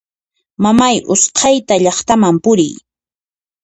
Mamay usqhayta llaqtaman puriy!